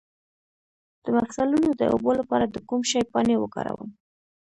د مفصلونو د اوبو لپاره د کوم شي پاڼې وکاروم؟